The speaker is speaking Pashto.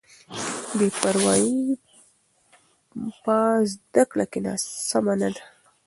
بې پروایي په زده کړه کې سمه نه ده.